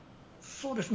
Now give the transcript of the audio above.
そうですね。